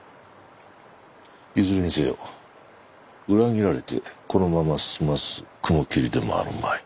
いずれにせよ裏切られてこのまま済ます雲霧でもあるまい。